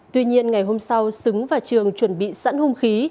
tuy nhiên ngày hôm sau xứng và trường chuẩn bị sẵn hung khí